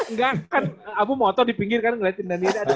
enggak kan aku motor di pinggir kan ngeliatin danire ada pasangan